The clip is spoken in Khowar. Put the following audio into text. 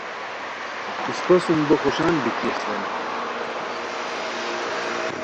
اِسپہ سُم بو خوشان بیتی استانی